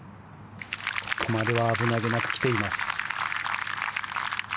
ここまでは危なげなく来ています。